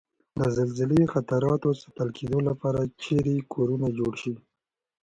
د زلزلوي خطراتو ساتل کېدو لپاره چېرې کورنه جوړ شي؟